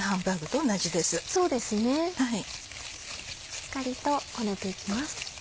しっかりとこねていきます。